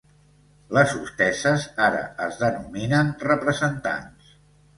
Les hostesses ara es denominen representants.